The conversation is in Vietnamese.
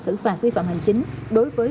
xử phạt vi phạm hành chính đối với